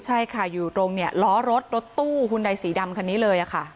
ใช่ค่ะอยู่ตรงเนี้ยล้อรถรถตู้หุ่นใดสีดำแบบนี้เลยอ่ะค่ะ